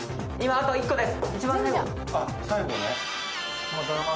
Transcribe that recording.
あと１個です。